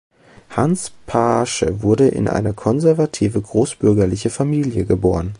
Hans Paasche wurde in eine konservative, großbürgerliche Familie geboren.